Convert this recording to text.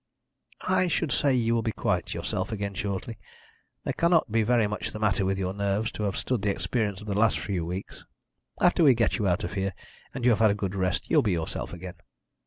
"I should say you will be quite yourself again shortly. There cannot be very much the matter with your nerves to have stood the experience of the last few weeks. After we get you out of here, and you have had a good rest, you will be yourself again."